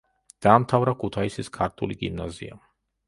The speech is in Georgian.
დაამთავრა ქუთაისის ქართული გიმნაზია.